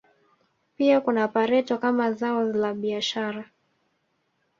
Pia kuna pareto kama zao la biashara